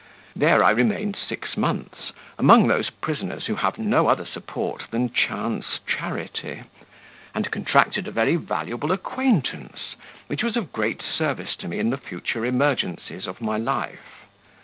There I remained six months, among those prisoners who have no other support than chance charity; and contracted a very valuable acquaintance, which was of great service to me in the future emergencies of my life.